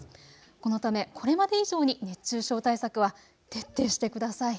このためこれまで以上に熱中症対策は徹底してください。